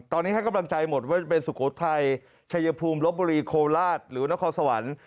ตอนนี้ให้กำลังใจหมดว่าจะเป็นสุโขทัยชัยภูมิลบบุรีโคราชหรือนครสวรรค์